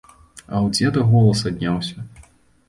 А ў дзеда голас адняўся.